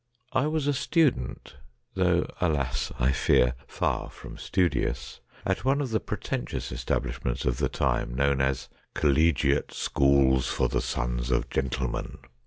I was a student — though, alas ! I fear far from studious — at one of the pretentious establishments of the time known as ' Col legiate Schools for the Sons of Gentlemen.'